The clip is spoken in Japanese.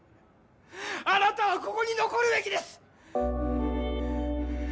あなたはここに残るべきです！